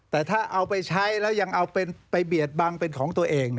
แต่ถ้าเอาไปใช้แล้วยังเอาไปเบียดบังเป็นของตัวเอง